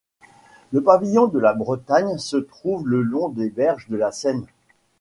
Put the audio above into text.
Le pavillon de la Bretagne se trouve le long des berges de la Seine.